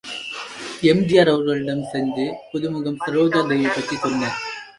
எம்.ஜி.ஆர். அவர்களிடம் சென்று புதுமுகம் சரோஜாதேவி பற்றி சொன்னேன்.